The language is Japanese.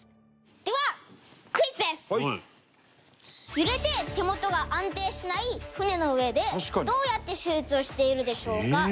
揺れて手元が安定しない船の上でどうやって手術をしているでしょうか？